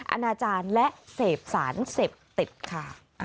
อาณาจารย์และเสพสารเสพติดค่ะ